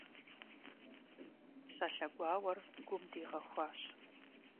Псалъэ гуауэр гум дигъэхуащ.